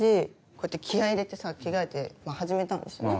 こうやって気合入れてさ着替えて始めたんですよね。